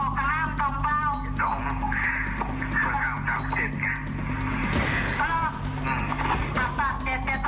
คุณครูซื้อจริงแล้วคุณครูก็จ่ายเงินจริง